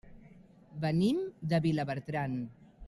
Venim de Vilabertran.